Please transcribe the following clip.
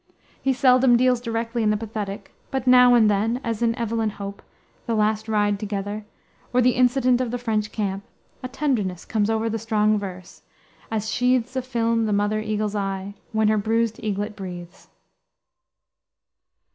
He seldom deals directly in the pathetic, but now and then, as in Evelyn Hope, the Last Ride Together, or the Incident of the French Camp, a tenderness comes over the strong verse "as sheathes A film the mother eagle's eye, When her bruised eaglet breathes."